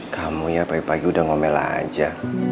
kamu ya pagi pagi udah ngomel aja